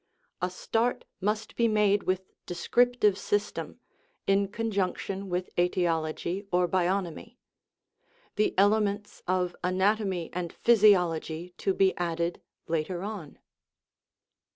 A start must be made with descriptive system (in con junction with aetiology or bionomy) ; the elements of anatomy and physiology to be added later on.